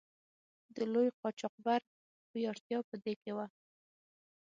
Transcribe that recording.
د لوی قاچاقبر هوښیارتیا په دې کې وه.